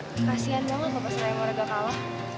kasian banget pas raya moraga kalah